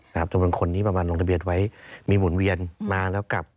จำนวนคนที่ประมาณลงทะเบียนไว้มีหมุนเวียนมาแล้วกลับ